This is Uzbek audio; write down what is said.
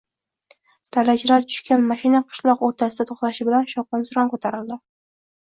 Dalachilar tushgan mashina qishloq oʼrtasida toʼxtashi bilan shovqin-suron koʼtarildi.